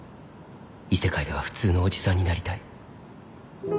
「異世界ではふつうのおじさんになりたい」